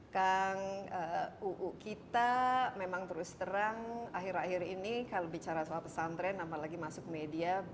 kang uu kita memang terus terang akhir akhir ini kalau bicara soal pesantren apalagi masuk media